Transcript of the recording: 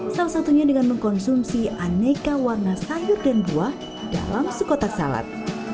salah satunya dengan mengkonsumsi aneka warna sayur dan buah dalam sekotak salad